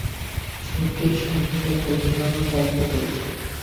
সতীশ সংক্ষেপে কহিল, গল্প করি।